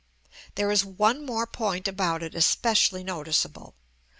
There is one more point about it especially noticeable.